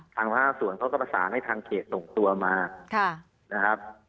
ทางภาคส่วนเขาก็ประสานให้ทางเขตส่งตัวมานะครับ